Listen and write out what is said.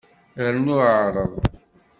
Rnu ɛreḍ.